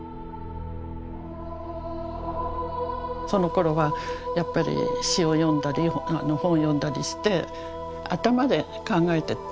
そのころはやっぱり詩を読んだり本を読んだりして頭で考えて。